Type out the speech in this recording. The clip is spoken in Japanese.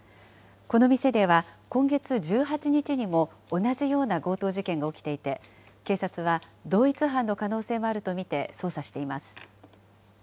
この店では、今月１８日にも同じような強盗事件が起きていて、警察は同一犯の可能性もあると見て捜査しています。